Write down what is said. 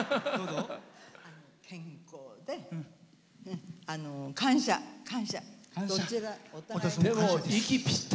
健康で感謝、感謝。